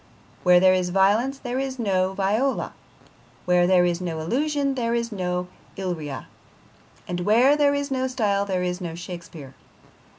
Where there is violence there is no Viola, where there is no illusion there is no Illyria, and where there is no style there is no Shakespeare.